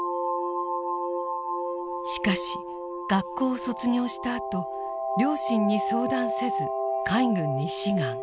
しかし学校を卒業したあと両親に相談せず海軍に志願。